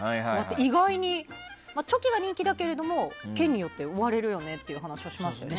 意外に、チョキが人気だけども県によって割れるよねっていう話をしましたね。